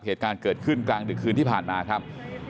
เหตุการณ์เกิดขึ้นกลางดึกคืนที่ผ่านมาครับ